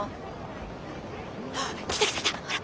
来た来た来たほら。